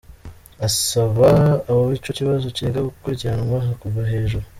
Asaba abo ico kibazo cega, gukurikiranwa kuva hejuru.